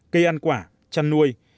cây ăn quả chăn nuôi